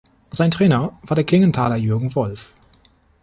Sein Trainer war der Klingenthaler Jürgen Wolf.